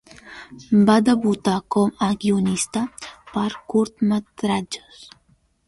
Va debutar com a guionista per curtmetratges.